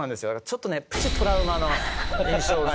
ちょっとねプチトラウマの印象がね